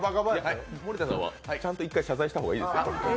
森田さんは、ちゃんと１回謝罪した方がいいですよ。